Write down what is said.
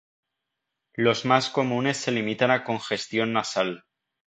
Los más comunes se limitan a congestión nasal.